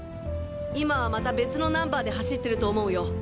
今はまた別のナンバーで走ってると思うよ！